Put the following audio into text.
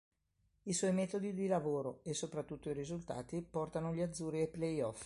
I suoi metodi di lavoro, e soprattutto i risultati portano gli azzurri ai play-off.